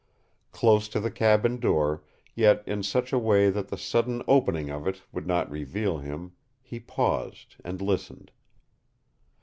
Close to the cabin door, yet in such a way that the sudden opening of it would not reveal him, he paused and listened.